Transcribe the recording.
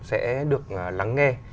sẽ được lắng nghe